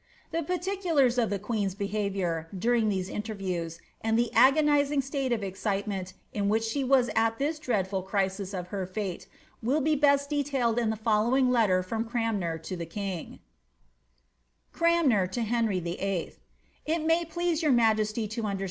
"* The particulars of the queen's behaviour during these interviews, and the agonising state of excitement in which she was at this dreadful crisis of her fate, will be best detailed in the following letter from Cranmer to the king :— *<Cbaxmib to HsvaT VIII. It may please your majesty to un(ler.